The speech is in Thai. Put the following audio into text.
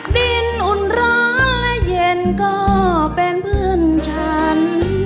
ดินอุ่นร้อนและเย็นก็เป็นเพื่อนฉัน